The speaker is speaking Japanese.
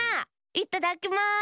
いっただきます！